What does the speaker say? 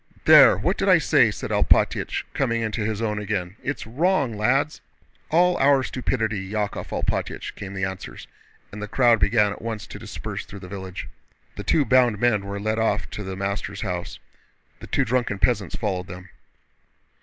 "There! What did I say?" said Alpátych, coming into his own again. "It's wrong, lads!" "All our stupidity, Yákov Alpátych," came the answers, and the crowd began at once to disperse through the village. The two bound men were led off to the master's house. The two drunken peasants followed them.